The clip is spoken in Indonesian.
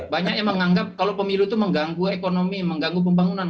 banyak yang menganggap kalau pemilu itu mengganggu ekonomi mengganggu pembangunan